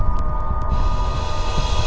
tidak ada satu